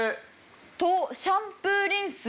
とシャンプー・リンス。